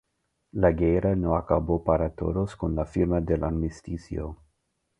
La guerra no acabó para todos con la firma del armisticio.